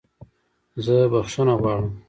زه بخښنه غواړم